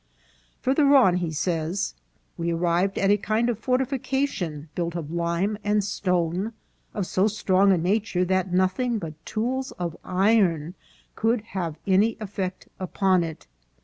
Farther on he says, " We arrived at a kind of fortifi cation, built of lime and stone, of so strong a nature that nothing but tools of iron could nave any effect upon it.